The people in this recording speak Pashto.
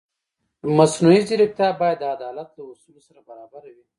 مصنوعي ځیرکتیا باید د عدالت له اصولو سره برابره وي.